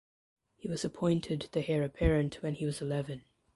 He was appointed the heir apparent when he was eleven.